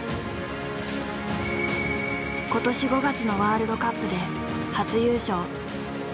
今年５月のワールドカップで初優勝。